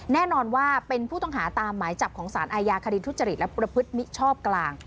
แน่นอนว่าเป็นผู้ต้องหาตามหมายจับของสารอาญาคดีทุจริตและประพฤติมิชชอบกลาง